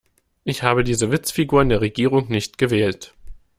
Ich habe diese Witzfigur in der Regierung nicht gewählt.